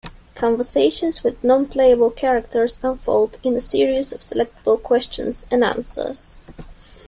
Conversations with non-playable characters unfold in a series of selectable questions and answers.